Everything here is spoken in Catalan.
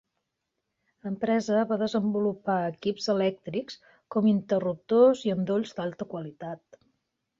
L'empresa va desenvolupar equips elèctrics com interruptors i endolls d'alta qualitat.